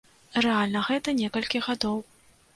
Рэальна гэта некалькі гадоў.